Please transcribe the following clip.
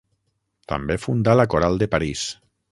També fundà la Coral de París.